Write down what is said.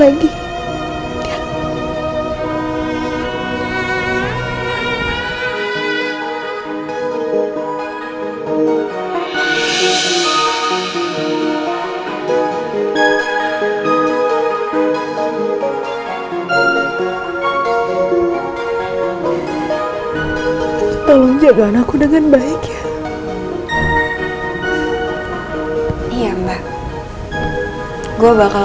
nanti meetingnya bisa dilanjutkan